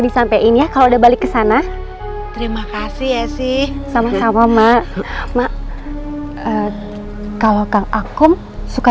disampaikan ya kalau udah balik kesana terima kasih ya sih sama sama mak mak kalau kakom suka